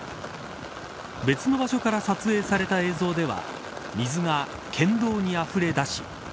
別の場所から撮影された映像では水が県道にあふれ出し